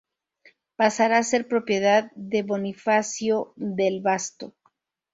Pasará a ser propiedad de Bonifacio del Vasto.